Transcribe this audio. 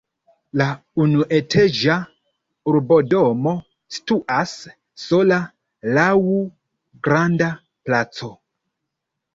La unuetaĝa urbodomo situas sola laŭ granda placo.